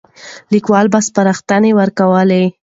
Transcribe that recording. ليکوال به سپارښتنې ورکولې.